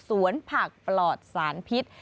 ผักปลอดสารพิษ